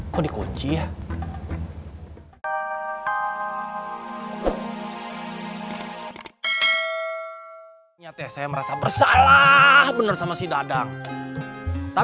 kok dikunci ya